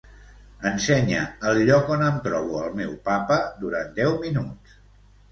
Ensenya el lloc on em trobo al meu papa durant deu minuts.